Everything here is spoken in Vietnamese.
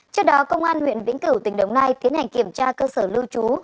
trước đó công an huyện vĩnh cửu tỉnh đồng nai tiến hành kiểm tra cơ sở lưu trú